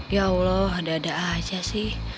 ya allah ada ada aja sih